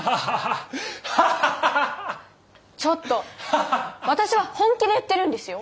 ちょっと私は本気で言ってるんですよ。